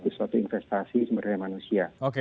itu suatu investasi sebenarnya manusia